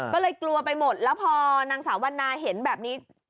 ก็เลยกลัวไปหมดแล้วพอนางสาววันนาเห็นแบบนี้